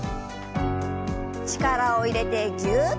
力を入れてぎゅっ。